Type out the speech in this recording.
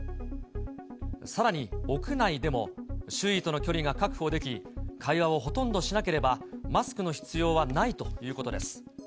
さらに屋内でも、周囲との距離が確保でき、会話をほとんどしなければ、マスクの必要はないということです。